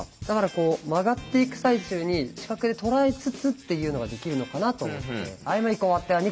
だからこう曲がっていく最中に視覚で捉えつつっていうのができるのかなと思って。